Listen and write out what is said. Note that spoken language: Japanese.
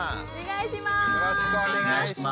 お願いします！